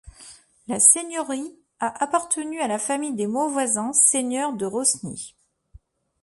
La seigneurie a appartenu à la famille des Mauvoisin, seigneurs de Rosny.